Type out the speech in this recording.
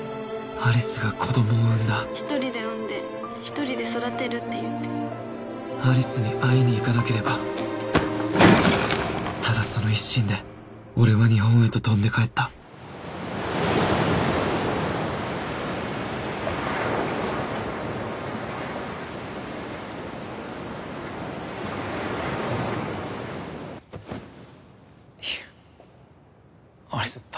有栖が子どもを産んだ☎一人で産んで一人で育てるって言って有栖に会いにいかなければただその一心で俺は日本へと飛んで帰った有栖誰？